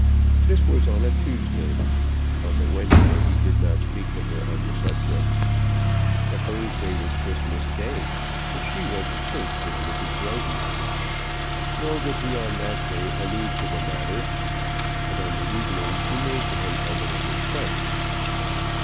This was on a Tuesday; on the Wednesday he did not speak to her on the subject. The Thursday was Christmas Day, and she went to church with Mrs. Roden. Nor did he on that day allude to the matter; but on the evening she made to him a little request.